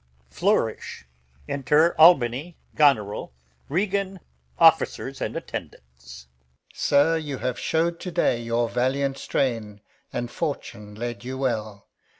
Flourish. Enter Albany, Goneril, Regan, Soldiers. Alb. Sir, you have show'd to day your valiant strain, And fortune led you well.